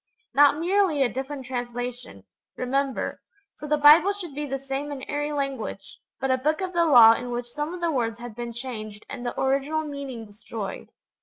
Not merely a different translation, remember, for the Bible should be the same in every language, but a Book of the Law in which some of the words had been changed and the original meaning destroyed.